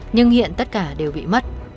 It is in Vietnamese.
nhưng hiện tất cả đều bị mất